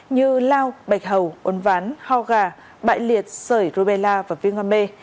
như lao bạch hầu ốn ván ho gà bại liệt sởi rubella và viên ngon mê